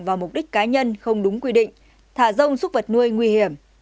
và mục đích cá nhân không đúng quy định thả rông xúc vật nuôi nguy hiểm